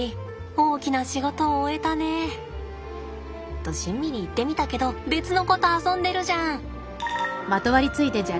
大きな仕事を終えたね。としんみり言ってみたけど別の子と遊んでるじゃん！